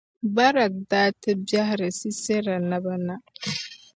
Barak daa ti bɛhiri Sisɛra naba na.